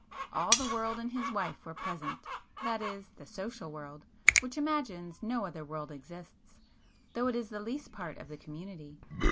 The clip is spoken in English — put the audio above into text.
'All the world and his wife' were present,—that is, the social world, which imagines no other world exists, though it is the least part of the community.